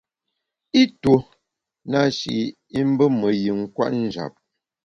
I tuo na shi i mbe me yin kwet njap.